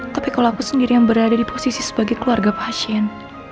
tapi kalau aku sendiri yang berada di posisi sebagai keluarga pasien